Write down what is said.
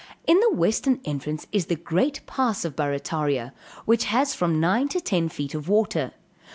In the western entrance is the great pass of Barrataria, which has from nine to ten feet of water.